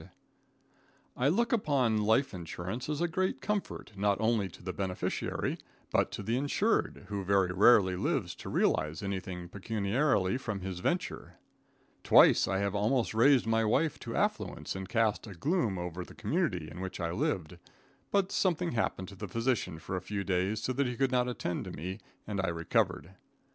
[Illustration: PROTECTED BY LIFE INSURANCE.] I look upon life insurance as a great comfort, not only to the beneficiary, but to the insured, who very rarely lives to realize anything pecuniarily from his venture. Twice I have almost raised my wife to affluence and cast a gloom over the community in which I lived, but something happened to the physician for a few days so that he could not attend to me, and I recovered.